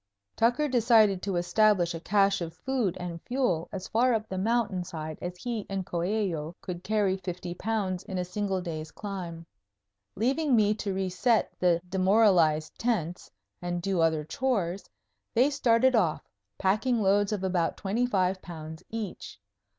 Tucker decided to establish a cache of food and fuel as far up the mountain side as he and Coello could carry fifty pounds in a single day's climb. Leaving me to reset the demoralized tents and do other chores, they started off, packing loads of about twenty five pounds each.